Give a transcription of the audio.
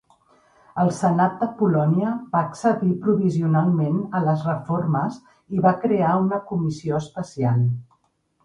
El senat de Polònia va accedir provisionalment a les reformes i va crear una comissió especial.